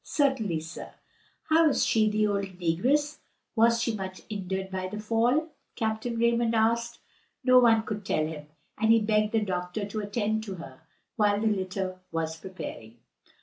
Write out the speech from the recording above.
"Certainly, sir." "How is she the old negress? Was she much injured by the fall?" Captain Raymond asked. No one could tell him, and he begged the doctor to attend to her while the litter was preparing.